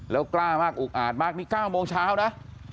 แล้วกล้ามากอุกอาดมากนี่๙โมงเช้านะ